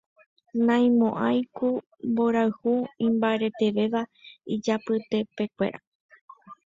Ñaimoã ku mborayhu imbaretevéva ijapytepekuéra.